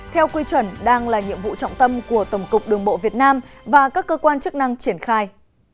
theo quy chuẩn đang là nhiệm vụ trọng tâm của tổng cục đường bộ việt nam và các cơ quan chức năng triển khai